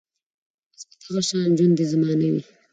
بس دغه شان ژوند دې زما نه وي